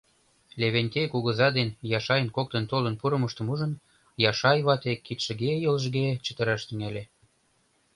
Левентей кугыза ден Яшайын коктын толын пурымыштым ужын, Яшай вате кидшыге, йолжыге чытыраш тӱҥале...